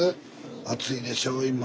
暑いでしょう？